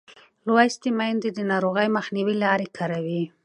لوستې میندې د ناروغۍ مخنیوي لارې کاروي.